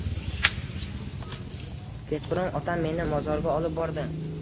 Kechqurun otam meni mozorga olib bordi.